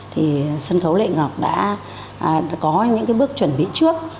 thì sân khấu lệ ngọc đã có những bước chuẩn bị trước